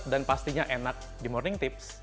dan pastinya enak di morning tips